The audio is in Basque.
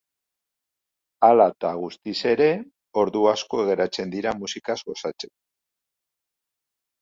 Hala eta guztiz ere, ordu asko geratzen dira musikaz gozatzeko.